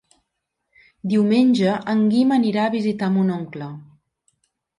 Diumenge en Guim anirà a visitar mon oncle.